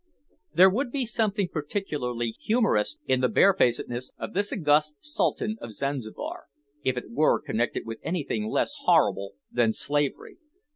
There would be something particularly humorous in the barefacedness of this august Sultan of Zanzibar, if it were connected with anything less horrible than slavery.